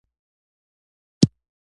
تاسې دا هیله لرئ چې باور پرې وکړئ